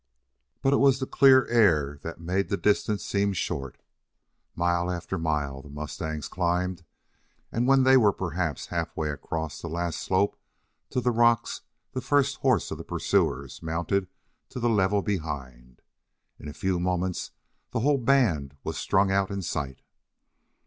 But it was the clear air that made the distance seem short. Mile after mile the mustangs climbed, and when they were perhaps half way across that last slope to the rocks the first horse of the pursuers mounted to the level behind. In a few moments the whole band was strung out in sight.